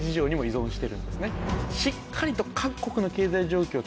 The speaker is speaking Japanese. しっかりと。